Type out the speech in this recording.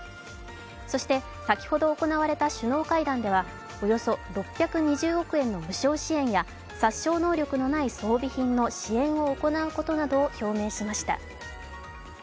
そして、先ほど行われた首脳会談では、およそ６２０億円の無償支援や殺傷能力のない装備品の支援を行うことなどを発表しました。